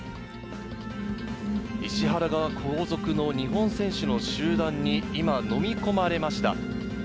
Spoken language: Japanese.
石原が、後続の日本選手の集団に今、飲み込まれました。